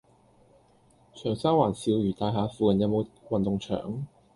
長沙灣肇如大廈附近有無運動場？